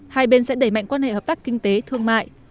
hai bên sẽ đẩy mạnh quan hệ hợp tác kinh tế thương mại